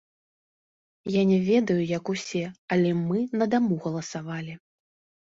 Я не ведаю, як усе, але мы на даму галасавалі.